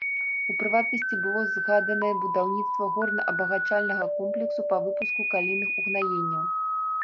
У прыватнасці, было згаданае будаўніцтва горна-абагачальнага комплексу па выпуску калійных угнаенняў.